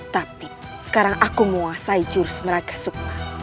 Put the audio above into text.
tapi sekarang aku mengasahi jurus meragasuklah